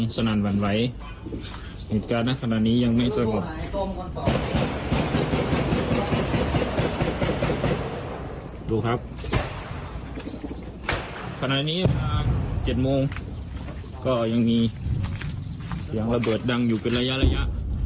เสียงระเบิดดังอยู่เป็นระยะ